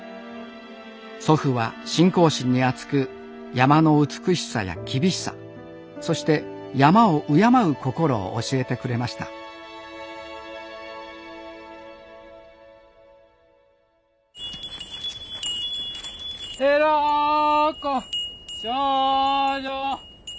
祖父は信仰心にあつく山の美しさや厳しさそして山を敬う心を教えてくれました六根清浄。